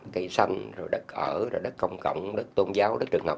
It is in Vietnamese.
cây xanh rồi đất ở rồi đất công cộng đất tôn giáo đất trực nào